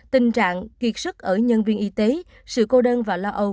tình trạng kiệt sức ở nhân viên y tế sự cô đơn và lo âu